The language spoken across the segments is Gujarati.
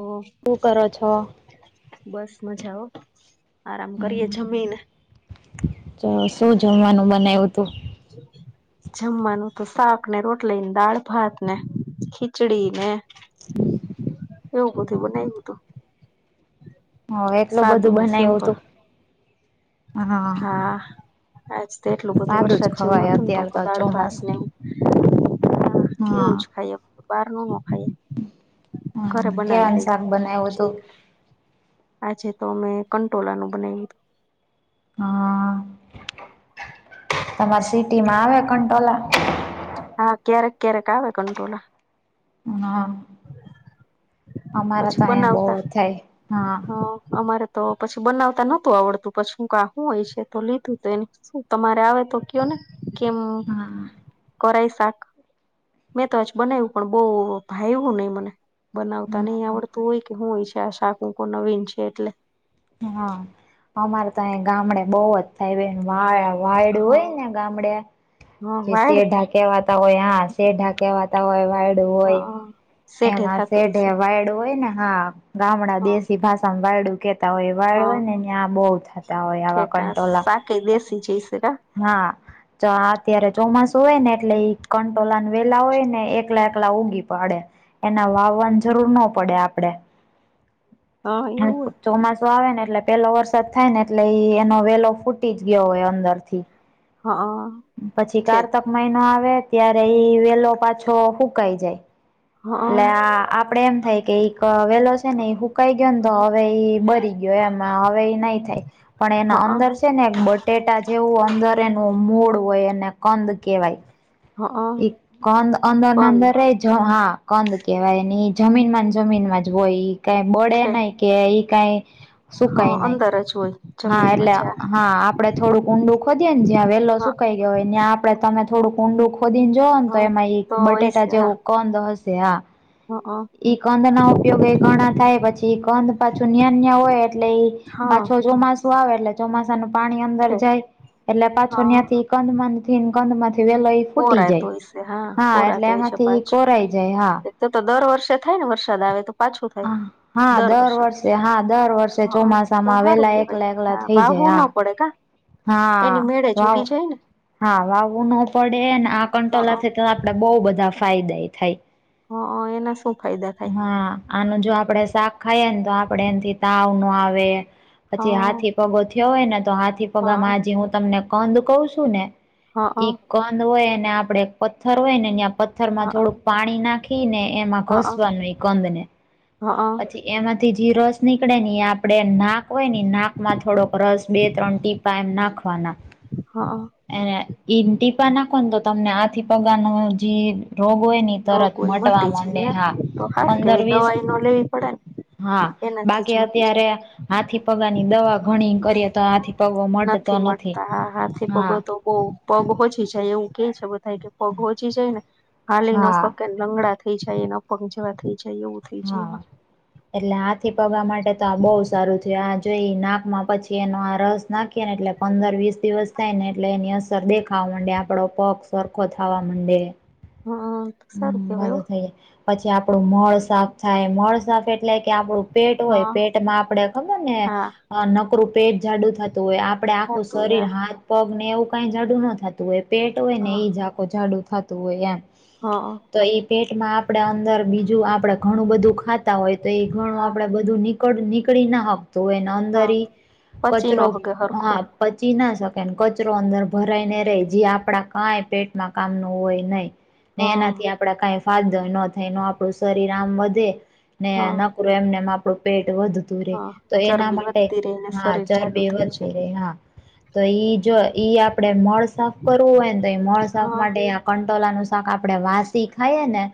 ઓ, શું કરો છો? બસ મજાઓ આરામ કરીએ જમીને ચ શું જમવાનું બનાવ્યું તું [unintelligible] જમવાનું તો શાક ને રોટલી, દાળ, ભાત ને ખીચડી ને- - એવું બધું બનાયુતુ હ, એટલું બધું સાદું ને બનાયું સિમ્પલ તું હા, આજ તો એટલું બધું સાદું જ વરસાદ જેવું ખવાય હતું ને તો અત્યારે કો દાળ ભાત ચોમાસ ને- - હા એવું જ ખાઈએ, બારનુ નો ખાઈએ. હ, ઘરે કેળા બનાવી નુ લઈએ શાક બનાયુ તુ આ જેતો મે કંટોલાનું બનાવ્યું હા, તમાર સિટી માં આવે કંટોલા હા, ક્યારેક ક્યારેક આવે કંટોલા હા [unintelligible] અમારા તો પછી અહીંયા બહુ બનાવતા જ થાય હા અમારે તો પછી બનાવતા નતું આવડતું પછીું કું હોય છે તો લીધું તો એ- - શું તમારે આવે તો કયો, ને કેમ હા કરાઈ શાક મેં તો આજ બનાવ્યું પણ બહુ ભાઈવુ ની મને- - બનાવતા ની આવડતું હોય કે હું હોય છે આ શાકું કો નવીન છે એટલે હા, અમારે તો ગામડે બોહ જ વા વાયડું હોય હા ને ગામડે હા તે વાડ સેઢા- - કેવાતા હોય હા શેઢા કેવાતા હોય વાયડું હોય હા શેઠે એમાં થતું શેઢે હશે વાયડ- - હોય ને હા, ગામડા હા દેશી ભાષામાં વાયડું કેતા હોય વાય હોય નેં બહુ થાય- - ઠેકાસ, બાકી દેશી [unintelligible] હા જો, અત્યારે ચોમાસું હોય ને એટલે કંટોલા વેલા હોય ને એકલા એકલા ઊગી પડે એના વાવવાની જરૂર ન પડે આપડે હા એવું ચોમાસો આવે ને એટલે પેલો વરસાદ થાય ને એટલે એ એનો વેલો ફૂટી જ ગયો હોય અંદર થી હા પછી ઠીક કારતક મહિનો આવે ત્યારે એઈ વેલો પાછો હુકાઈ જાય હા એટલે આ આપડે એમ થાય કે એક વેલો છે ને એ હુકાઈ ગયો ને તો હા હવે ઈ બરી- - ગયો એમાં હવે ઈ નહી થાય પણ એના હા અંદર- - છે ને એક બટેટા જેવું અંદર એનું મૂળ હોય અને કંદ કેવાય હા એ કંદ અંદરને કંદ અંદરે હા, કંદ કેવાયની જમીન માં જમીન માં જ હોય ઈ કઈ બડે નહી કે એ કાઈ હ, અંદર જ હોય હા, જમીનમાં જ એલા હા. આપણે થોડુંક ઊડું ખોદીએ. જ્યાં વેલો હા સુકાઈ ગયો હોય, ત્યાં આપણે તો થોડું ઊંડું ખોદીને જોવાનુ હા તો એમાં એક તો બટેટા જેવો કંદ હશે, હા. હ, હ. કંદના ઉપયોગ એ ઘણા થાય. પછી કંદ પાછું ન્યાયે હોય એટલે હા. પાછો ચોમાસું આવે એટલે ચોમાસાનું પાણી અંદર ઠેક જાય, એટલે પાછો હા ત્યાંથી કંદમાં, કંદમાંથી વે લઈ. ફૂટી કોરાય તો જાય, હશે હા. કોરાય એટલે તો હોય છે એમાંથી પાછું કોરાઈ જાય, હા. ઠીક. તો તો દર વર્ષે થાય ને? વરસાદ આવે તો. પાછું થાય હા દર વર્ષે, હા દર હ. વર્ષે તો ચોમાસામાં સારું વેલા કેવાય, એકલા એકલા હા. થઈ જાય વાવું તો હા. પડે કાં. હા, વાવ. હા, વાવવું ન પડે ને. આ હા કંટોલાથી તો આપડે બહુ બધા ફાયદા થાય. હ, એના શું ફાયદા થાય? હા આનું જો આપડે શાક ખાઈએ ને, તો આપડે એથી તાવ ન આવે. પછી હા હાથી પગોથી થયો હોય ને, તો હાથી પગામાં હા આજ હું તમને કંદ કહું છું ને હા કંદ હોય ને, આપડે એક પથ્થર હોય ને, અં પથ્થરમાં હા થોડુંક પાણી નાખીને એમાં હા ઘસવાનું એ કંદ ને. હા. એમાંથી જીરોસ નીકળે ઈ. આપણે નાક હોય ને, નાકમાં થોડોક રસ, બે-ત્રણ ટીપા એમ નાખવાના. હા. એ ટીપા નાખોને, તો તમને આથી હાથી પંખાનો જે રોગ હોય ને. ઈ રોગ તરત હોય, મટવા મટી માંડે જાય. હા તો ખાર પંદર કેવી વીસ દવાઈ ન લેવી પડે ને. હા, એનાથી જ બાકી મટી જાય અત્યારે હાથી પગારની દવા ઘણી કરીએ, તો હાથી પગો મતો નથી, હા. ઓ પગ ઓછી જાય એવું કે છે બધા કે પગ ઓછી જાય ને ચાલી ન હા શકે. લંગડા થઈ જાય ને, પજવા થઈ જાય એવું. થઈ જાય હા, એમાં એટલે આથી પગા માટે તો આ બહુ સારું થાય આ. જોઈ નાકમાં પછી એનો આ રસ નાખી ને, એટલે પંદર-વીસ દિવસ થાયને, એટલે એની શર દે ખાવા માંડે, આપડો પગ સરખો થવા માંડે. હમ. સારું હમ, કેવાય હો. બધું થઈ જાય પછી આપડું મળ સાફ થાય. મળ સાફ એટલે કે આપડું પેટ હોય, હા પેટમાં આપડે ખબર ને હા નકરું? પેટ જાડું થતું હોય, આપડે આખું હતું હ શરીર હાથ-પગ ને એવું કઈ જાડું ન થતું. હોય પેટ હોય ને, હા એઈ જાખ જાડું થતું હોય એમ. હા તો એ પેટમાં આપડે અંદર બીજું આપડે ઘણું બધું ખાતા હોય, તો એ ઘણું હા આપડે બધુ નીકળ નીકળી ના આપતું, એના અંદર હા પચી નો કચરો, હગે હા. હરખું પચી ના શકે, કચરો અંદર ભરાય ને રે જે. આપડા કાંઈ પેટમાં કામ ન હોય, નહીં. ને હા એનાથી આપડા કંઈ ફાયદો ન થાય. આપણું શરીર આમ વધે ને. હા એમને એમાં આપડું પેટ વધે. હા તો એના ચરબી માટે, વધતી રહીને હા, શરીર ચાર જાડુ બે થઈ વધ જાય રે, હા. તો ઈ જો ઈ આપણેે મળ સાફ કરવું હોય ને, તો એ મળ સાફ હા માટે કંટોલા નુ શાક આપડે વાસી ખાઈએ ને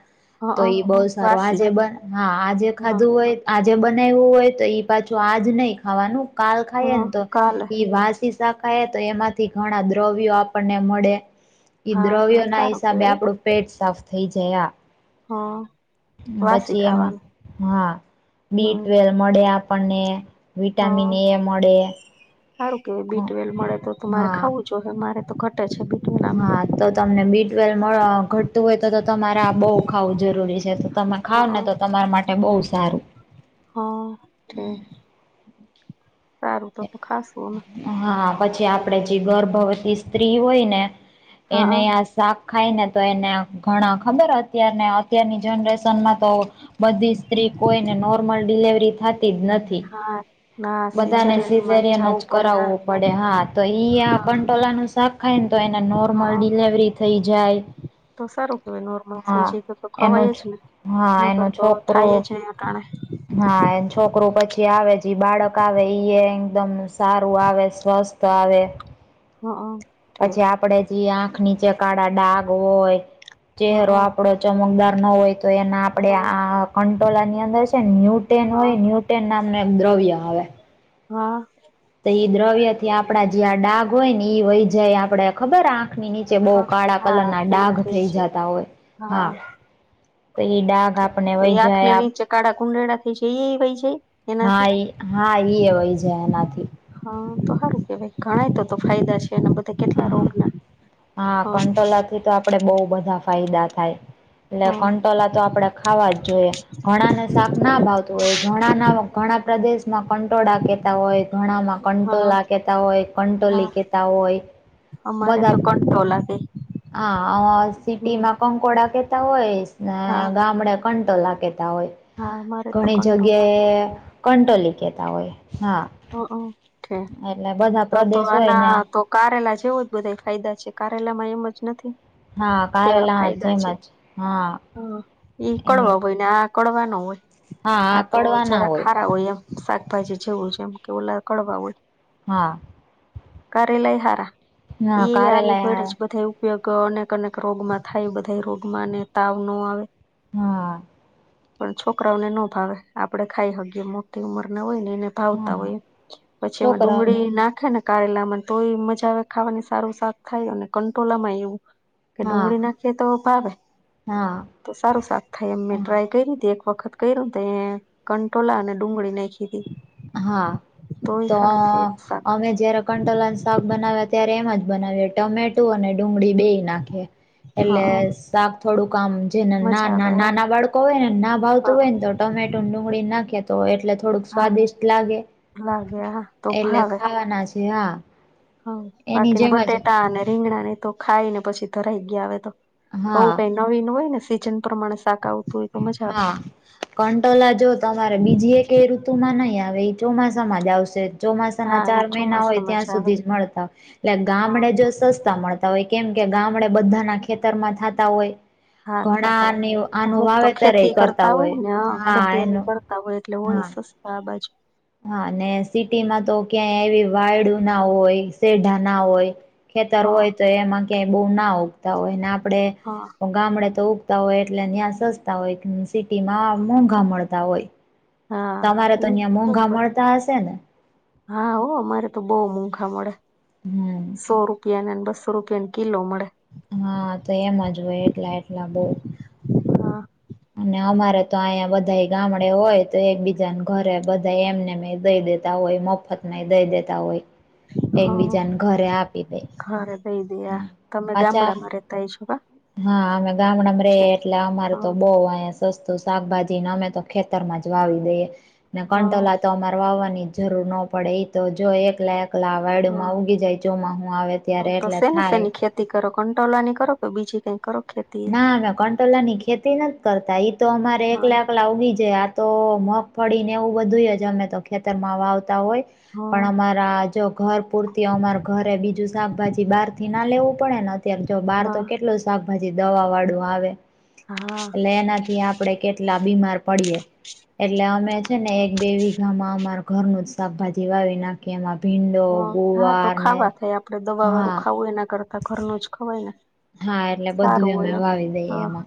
તો હા ઈ બહ સારું, આજ વાસી પણ, હા. આ જે હા ખાધું હોય. આજે બનાવવું હોય, તો ઈ પાછું આજ નહીં ખાવાનું. કાલે ખાય હા ને, તો કાલે ઈ વાસી ધણા તો એમાંથી ઘણા દ્રવ્યો આપણને મળે, હા તો દ્રવ્યો ના સારું હિસાબે. કેવાય આપડું પેટ સાફ થઈ જાય. હા. વાસી પછી એમાં ખાવાનું હા બી હમ ટ્વેલ મળે આપણને હા વિટામિન એ મળે હા જો હ મારે તો ઘટ જ છે બી ટ્વેલ આમે હા તો તમને બી ટ્વેલ ઘટતું હોય તો તો તમારે આ બહુ ખાવું જરૂરી છે તમે ખાવ ને હા તો તમારા માટે બહુ સારું હા તે સારું તો ખાાસવું અમે હા પછી આપડે જે ગર્ભવતી સ્ત્રી હોય ને એને હા આ શાક ખાય ને તો એને ઘણા ખબર અત્યારને અત્યારની જનરેશનમાં તો બધી સ્ત્રી કોઈને નોર્મલ ડિલવરી થતી જ નથી હા ના બધાને સિઝેરિયનમાં સિઝરિયાન જવું જ પડે કરાવવું પડે હા તો ઈ આ હા ટોલાનું શાક ખાય ને તો એને નોર્મલ હા ડિલેવરી થઈ જાય તો સારું કેવાય નોર્મલ થઈ હા જાય તો તો એનું ખવાય જ ને હા એનો નગર તો છોકરો થાય જ તણે હા એ છોકરું પછી આવે જે બાળક આવે એઈ એકદમ સારું આવે સ્વસ્થ આવે હા હ પછી આપડે જે આંખ નીચે કાળ ડાગ હોય ચહેરો હા આપડો ચમકદાર ન હોય તો એના આપડે હા આ કંટોલા ની અંદર છે ન્ય ન હોય હા ન્યૂટેન નામ ન એક દ્રવ્ય આવે હા તો ઈ દ્રવ્ય થી આપણા જે આ ડાઘ હોય ને ઈ વય જાય આપણે ખબર આંખ નીચે બહુ હા કાળા કલર હા ના બહુ ડાઘ થઈ છે જતા હોય હા તો એ ડાઘ આપને તો એ વહી આંખને જાય આપ નીચે કાળા કુંડારા થઈ છે ઈ એ વય જય છે હા એ હા ઈ એવાય જાય એનાથી હા તો સારું કેવાય ગણાય તો તો ફાયદા છે એના બધા કેટલા હા રોગના હા કંટોલા થી તો આપડે બહુ બધા ફાયદા થાય એટલે હા કંટોલા તો આપણે ખાવા જ જોઈએ ઘણા ને શાક ના ભાવતું હોય ઘણા ના ઘણા પ્રદેશમાં કંટોળા કે હોય ઘણામાં હા કંટોલા કેતા હોય કંટોલી હા કેતા હોય અમારે બધા તો કંટોલા કે હા સિટી માં કંકોડા કેતા હોય ને હા ગામડે પણ કટોલા કહેતા હોય હા અમારે તો ઘણી કંટો લાગે જગ્યાએ કંટોલી કેતા હોય હા હ ઓકે એટલે બધા તો તો પ્રદેશ હોય ને આના તો કારેલા જેવો જ બધા ફાયદા છે કારેલા માં એમ જ નથી હા કેવા કારેલા ફાયદા જેમ છે જ હા હમ્મ ઈ કડવા એની હોય ને આ કડવાનો હોય હા હા આ તો કડવા ના જરા ખારા હોય એમ શાકભાજી જેવું છે એમ કે ઓલા કડવા હોય હા કારેલા ય હરા હા એ આની ઘડે જ કારેલા બધા ઉપયોગ અનેક અનેક રોગમાં થાય બધા રોગમાંને તાવ ન આવે હા પણ છોકરાઓને ન ભાવે આપડે ખાઈ હકીએ મોટી ઉંમરને હોય ને એને ભાવતા હા હોયએ પછી એમાં છોકરાઓને ડુંગળી નાખે ને કારેલામાં તો એ મજા આવે ખાવાની સારું શાક થાય અને કંટોલા માં એવું કે હા ડુંગળી નાખીએ તો ભાવે હા તો સારું શાક થાય એમ મેં હા ટ્રાય કરી તે એક વખત કર્યું ન તે કંટોલા અને ડુંગળી નાખી તી હા, તો શાક અમે જ્યારે કંટલાને શાક બનાવ્યા ત્યારે એમ જ બનાવી ટમેટો અને ડુંગળી બેય નાખીએ એટલે હા શાક થોડુંક આમ જેને મજા આવે નાના, હા નાના બાળકો હોય ને ના ભાવતું હા હોય ને તો ટમેટ ડુંગળી નાખીએ તો એટલે થોડુંક હા સ્વાદિષ્ટ લાગે લાગે હા તો એટલે, ભાવે ખાવાના છે હા હ, એની બાકીને જેમ જ બટેટા અને રીંગણા ને તો ખાઈ ને પછી ધરાઈ ગયા હવે તો આવું હા કઈ નવી નું હોય ને સીઝન પ્રમાણે શાક આવતું હોય તો મજા આવે હા કંટોલા જો તમારે બીજી એક એ ઋતુ માં ની આવે એ ચોમાસામાં જ આવશે ચોમાસા ના હા એ ચાર મહિના હોય ચોમાસામાં ત્યાં આવે સુધી જ મળતા હોય એટલે હા ગામડે જો સસ્તા મળતા હોય કેમ કે ગામડે બધા ના ખેતર માં થાતા હોય હા, થાતા હોય ઘણા આનું અમુક્ત વાવેતર ખેતી કરતા હોય ને, હ હા ખેતી એની એનું કરતા હોય એટલે હોય હા સસ્તા બાજુ હા, અને સિટીમાં તો ક્યાં એવી વાયડું ના હોય, શેઢા ના હોય ખેતર હા હોય તો એમાં ક્યાંય બહુ ના ઉગતા હોય ને આપડે હ ગામડે તો ઊગતા હોય એટલે ત્યાં સસ્તા હોય સિટીમાં મોંઘા મળતા હોય હા તમારે એ તો ન્યા મોંઘા બરોબર મળતા હશે ને હા, હો, અમારે તો બહુ મોઘા મળે હમ સો રૂપિયાને બસ [unintelligible] કેમ કિલો મળે હા, તો એમ જ હોય એટલા એટલા બઉ હા અને અમારે તો અહીંયા બધાય ગામડે હોય તો એકબીજાન ઘરે બધા એમને મે દઈ દેતા હોય મફત નદઈ દેતા હોય એકબીજાને ઘરે આપી દે ઘરે બેઈ દયા, તમે પાછા ગામડામાં રેતા ય છો કા હા, અમે ગામડામાં રેએ છે એટલે અમાર તો હા બઉ અ સસ્તું શાકભાજીને અમે તો ખેતર માં જ વાવી દઈએ, ને હા કંટોલા તો અ વાવાની જરૂર ન પડે તો જો એક લાયક લાવ હા વાડુમાં ઉગી જાય ચોમાહું આવે હા ત્યારે તો એટલે શેની થાય શેની ખેતી કરો કંટોલાની કરો કે બીજી કઈ કરો ખેત ના અમે કંટોલા ની ખેતી નથી કરતા ઈ તો અમારે એક હા લાખ પેલા ઉગી જાય આ તો મગફળી ને એવું બધું જ અમે તો ખેતરમાં વાવતા હોય પણ હા અમારા જો ઘર પૂરતી અમાર ઘરે બીજું શાકભાજી બહાર થી ના લેવું પડે ને જો બહાર તો હા કેટલું શાકભાજી દવા વાળું આવે હા એટલે એનાથી થી આપડે કેટલા બીમાર પડીએ એટલે અમે છે ને એક બે વીઘામાં અમારુ ઘરનું જ શાકભાજી વાવી નાખી કે એમાં ભીંડો, હા હા તો ગુવાર, ને ખાવા થાય આપડે દવા વાળું હા ખાવું એના કરતા ઘરનું જ ખવાય ને હા, એટલે બધું સારું અમે હોય એમ વાવી દઈએ હા એમાં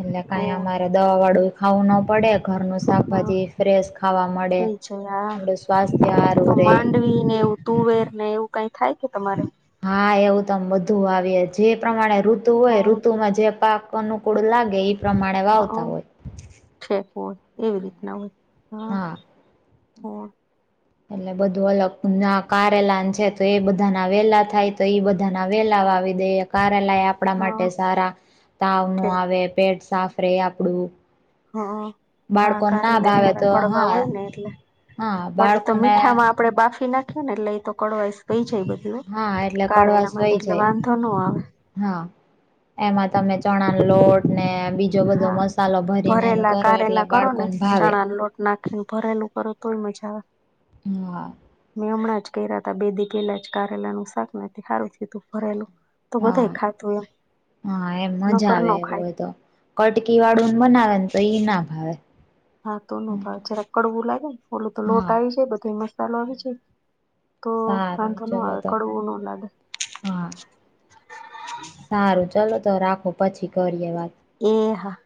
એટલે ઓ કઈ અમારે દવા વાળું ખાવું ન પડે ઘરનું હા શાકભાજી ફ્રેશ ખાવા મળે થઈ જાય હા મૂડે સ્વાસ્થ્ય હારુ તો રે માંડવી ને એવું તુવેર ને એવું કઈ થાય કે તમારે હા, એવું તમ બધું આવીએ જે પ્રમાણે ઋતુ હોય, હા ઋતુમાં જે પાક અનુકૂળ લાગે પ્રમાણે હઅ વાવતા હોય છેક હોય એવી રીતના હોય હા, હો એટલે બધું અલગ, ના કારેલાન છે તો એ બધાના વેલા થાય તો ઈ બધાના વેલા વાવી દઈએ કારેલાય આપણા માટે હા સારા તાવ નો છે આવે પેટ સાફ રે આપડું હ, હા, બાળકોને ના કારેલા ભાવે હારા તો કડવા હા હોય ને એટલે હા પણ એ તો બાળકોને મીઠામાં આપણે બાફી નાખીએ ને એટલે એ તો કળવાઈસ કઈ જાય બધી હા એટલે કારેલા કડવાશ માં તો વહી એટલે જાય વાંધો ન આવે હા, એમાં તમે ચણા ન લોટ. બીજો બધો હા મસાલો ભરીને એ ભરેલા કરો, એટલે કારેલા કરો બાળકોને ભાવે. કર તોય મજા આવે. હમ. મેં હમણાં જ કર્યા હતા, બે દિવસ પેલા જ કારેલા નું શાક. નથી સારું થતું, ફરેલું. તો હા બધા ખાતું એમ હા એમ મજા નકર, ન આવે એવું ખાય. હોય તો કટકી વાળું બનાવે ને, તો ઈ ના ભાવે. હા, તો ન ભાવે. જરા કડવું લાગે ને, ઓલો તો લોટ હા આવી જાય, બધો મસાલો આવી જાય. તો એ સારું તો ન ચલો આવે કડવું ન લાગે. હા, સારું. ચલો તો રાખો, પછી કરીએ વાત. એ હા.